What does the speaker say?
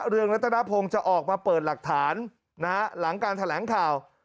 เรืองรัตนพงศ์จะออกมาเปิดหลักฐานนะฮะหลังการแถลงข่าว